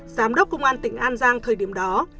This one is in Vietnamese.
giám đốc công an tỉnh an giang thời điểm đó